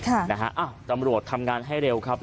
อ้าวตำรวจทำงานให้เร็วครับ